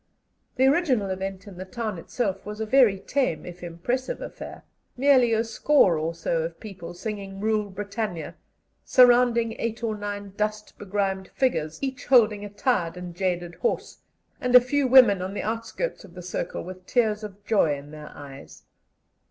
The original event in the town itself was a very tame if impressive affair merely a score or so of people, singing "Rule, Britannia," surrounding eight or nine dust begrimed figures, each holding a tired and jaded horse, and a few women on the outskirts of the circle with tears of joy in their eyes.